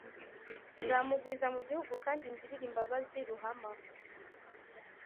Nzamugwiza mu gihugu, kandi ngirire imbabazi Ruhama,